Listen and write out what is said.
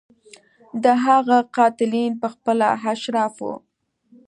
د هغه قاتلین په خپله اشراف وو.